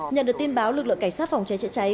nhận được tin báo lực lượng cảnh sát phòng cháy chữa cháy